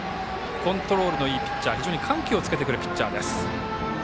コントロールのいいピッチャーで緩急をつけてくるピッチャーです。